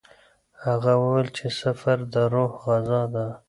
هغه وویل چې سفر د روح غذا ده.